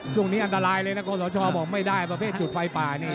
ช่วงนี้อันตรายเลยนะคอสชบอกไม่ได้ประเภทจุดไฟป่านี่